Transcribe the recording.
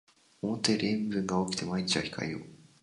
思ったより塩分が多くて毎日は控えよう